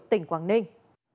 tỉnh quảng ninh